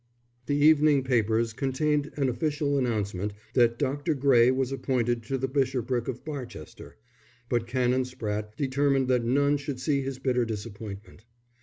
The evening papers contained an official announcement that Dr. Gray was appointed to the bishopric of Barchester; but Canon Spratte determined that none should see his bitter disappointment.